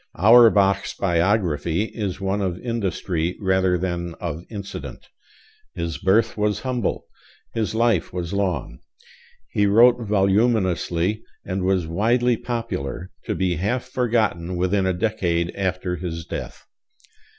Auerbach's biography is one of industry rather than of incident. His birth was humble. His life was long. He wrote voluminously and was widely popular, to be half forgotten within a decade after his death.